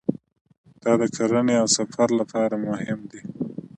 دا د کرنې او سفر لپاره مهم دی.